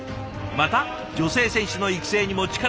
また女性選手の育成にも力を注ぎ